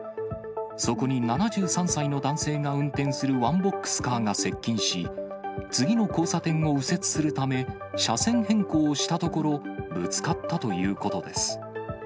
そこに７３歳の男性が運転するワンボックスカーが接近し、次の交差点を右折するため、車線変更したところ、ぶつかったということです。